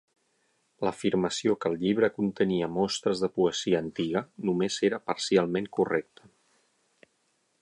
L'afirmació que el llibre contenia mostres de poesia antiga només era parcialment correcta.